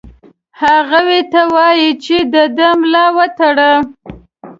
هغوی ته ووايی چې د ده ملا وتړي.